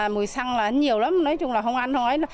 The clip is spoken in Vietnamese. mùi xăng là nhiều lắm nói chung là không ăn thôi